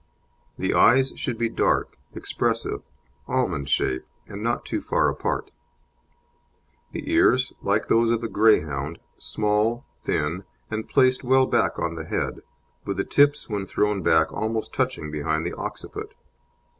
THE EYES should be dark, expressive, almond shaped, and not too far apart. THE EARS like those of a Greyhound, small, thin, and placed well back on the head, with the tips, when thrown back, almost touching behind the occiput.